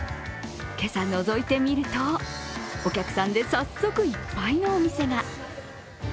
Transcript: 今朝のぞいてみると、お客さんで早速いっぱいのお店が。